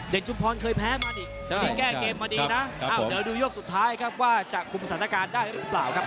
เดี๋ยวดูยกสุดท้ายจะมีไหลหรือเปล่าครับ